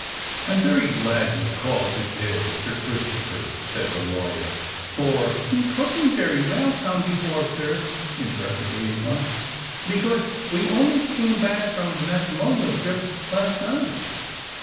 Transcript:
"I am very glad you have called to day, Sir Christopher," said the lawyer; "for——" "He couldn't very well come before, sir," interrupted Lady Blunt; "because we only came back from the matrimonial trip last night."